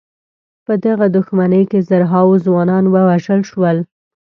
په دغه دښمنۍ کې زرهاوو ځوانان ووژل شول.